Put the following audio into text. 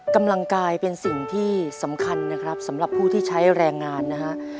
กำลังกายเป็นสิ่งที่สำคัญนะครับสำหรับผู้ที่ใช้แรงงานนะฮะ